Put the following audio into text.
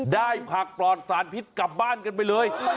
ได้ผักปลอดสารพิษกลับบ้านกันไปเลย